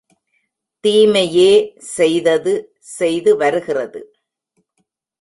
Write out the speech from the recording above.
தீமையே செய்தது செய்துவருகிறது.